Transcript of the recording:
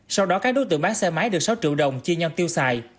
sau đó các đối tượng bán xe máy được sáu triệu đồng chia nhau tiêu xài